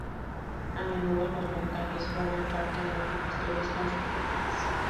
A menudo, los montajes forman parte de múltiples teorías conspirativas.